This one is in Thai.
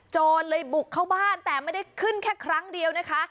โจรเลยบุกเข้าบ้านแต่ไม่ได้ขึ้นแค่ครั้งเดียวนะคะ